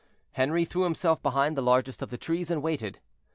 Henri threw himself behind the largest of the trees, and waited.